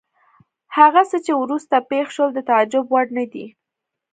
هغه څه چې وروسته پېښ شول د تعجب وړ نه دي.